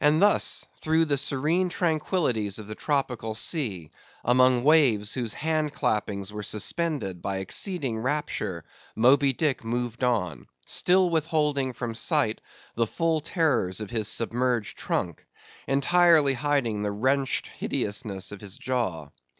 And thus, through the serene tranquillities of the tropical sea, among waves whose hand clappings were suspended by exceeding rapture, Moby Dick moved on, still withholding from sight the full terrors of his submerged trunk, entirely hiding the wrenched hideousness of his jaw.